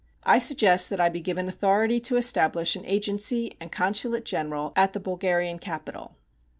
I suggest that I be given authority to establish an agency and consulate general at the Bulgarian capital.